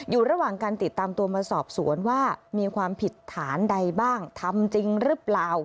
อยู่ระหว่างการติดตามตัวมาสอบสวนว่ามีความผิดฐานใดบ้างทำจริงหรือเปล่า